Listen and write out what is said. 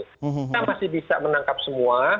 kita masih bisa menangkap semua